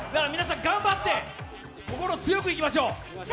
皆さん頑張って、心を強くいきましょう。